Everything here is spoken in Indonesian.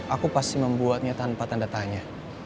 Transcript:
aku pasti membuatnya tanpa tanda tanya